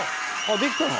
できたの？」